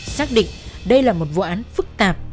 xác định đây là một vụ án phức tạp